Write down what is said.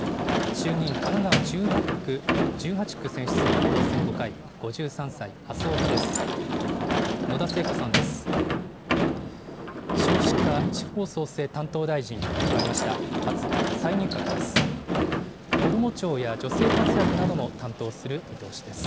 衆議院神奈川１８区選出の当選５回、５３歳、麻生派です。